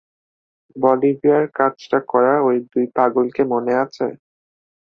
বলিভিয়ার কাজটা করা ওই দুই পাগলাকে মনে আছে?